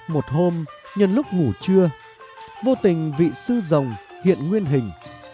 một hôm nhận lúc ngủ trưa vô tình vị sư dòng hiện nguyên hình